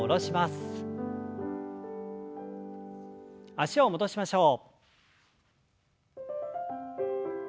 脚を戻しましょう。